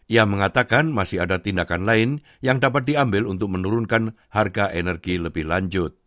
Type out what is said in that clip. ia mengatakan masih ada tindakan lain yang dapat diambil untuk menurunkan harga energi lebih lanjut